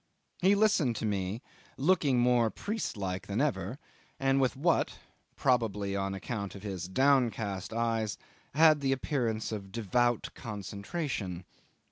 He listened to me, looking more priest like than ever, and with what probably on account of his downcast eyes had the appearance of devout concentration.